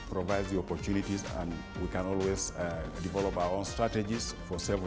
karena memberikan peluang dan kita bisa selalu membangun strategi kita sendiri